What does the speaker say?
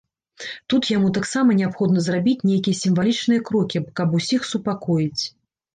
Тут яму таксама неабходна зрабіць нейкія сімвалічныя крокі, каб усіх супакоіць.